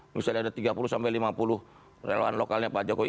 misalnya ada tiga puluh sampai lima puluh relawan lokalnya pak jokowi